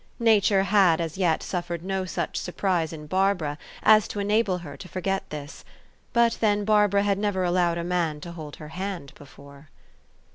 Nature had as yet suffered no such surprise in Barbara as to enable her to forget this ; but then Barbara had never allowed a man to hold her hand before.